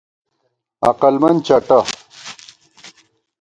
عقلمن چٹہ